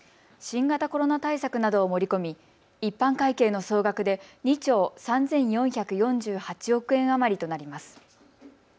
新型コロナ対策などを盛り込み一般会計の総額で２兆３４４８億円余りとなります。